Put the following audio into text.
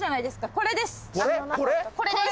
これです。